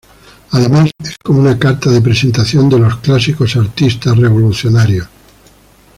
Además es como una carta de presentación de los clásicos artistas revolucionarios.